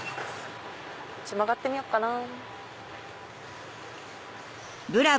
こっち曲がってみよっかなぁ。